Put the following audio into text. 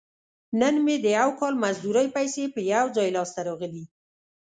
نن مې د یو کال مزدورۍ پیسې په یو ځای لاس ته راغلي.